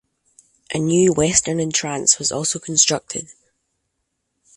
A new western entrance was also constructed.